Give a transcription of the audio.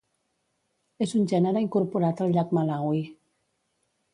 És un gènere incorporat al llac Malawi.